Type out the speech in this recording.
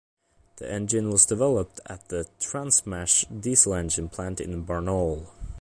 The engine was developed at the Transmash Diesel Engine Plant in Barnaul.